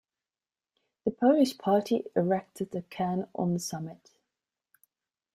The Polish party erected a cairn on the summit.